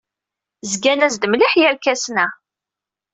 Zgan-as-d mliḥ yerkasen-a.